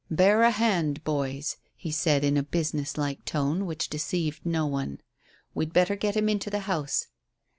"Bear a hand, boys," he said, in a business like tone which deceived no one. "We'd better get him into the house."